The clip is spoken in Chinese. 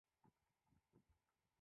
该党支持政党联盟零削减。